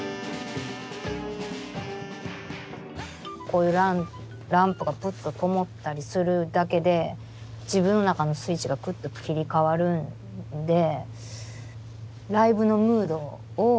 こういうランプがプッとともったりするだけで自分の中のスイッチがクッと切り替わるんで。